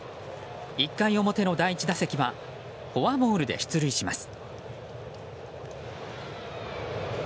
１回表の第１打席はフォアボールで出塁します。